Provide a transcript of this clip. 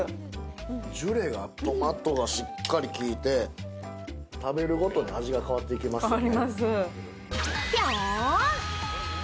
ジュレがトマトがしっかり利いて食べるごとに味が変わっていきますね。